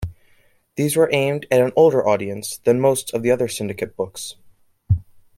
These were aimed at an older audience than most of the other syndicate books.